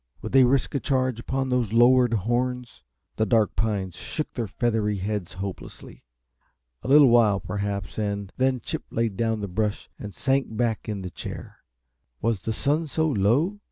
Would they risk a charge upon those lowered horns? The dark pines shook their feathery heads hopelessly. A little while perhaps, and then Chip laid down the brush and sank back in the chair. Was the sun so low?